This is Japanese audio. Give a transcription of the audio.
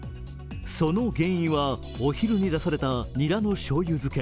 その原因はお昼に出されたニラのしょうゆ漬け。